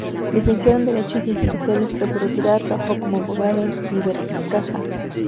Licenciado en Derecho y Ciencias Sociales, tras su retirada trabajó como abogado en Ibercaja.